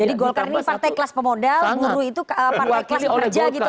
jadi gorkar ini partai kelas pemodal buruh itu partai kelas pekerja gitu